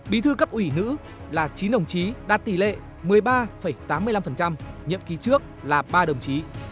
bí thư cấp ủy nữ là chín đồng chí đạt tỷ lệ một mươi ba tám mươi năm nhiệm kỳ trước là ba đồng chí